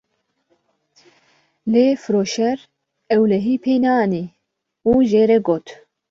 lê firoşer ewlehî pê neanî û jê re got